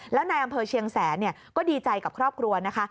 แล้วนายอำเภอเชียงแสนก็ดีใจกับครอบครัวนะคะ